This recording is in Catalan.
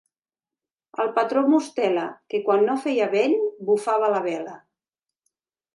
El patró Mostela, que quan no feia vent, bufava a la vela.